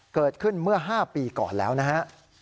เกิดขึ้นเมื่อ๕ปีก่อนแล้วนะฮะ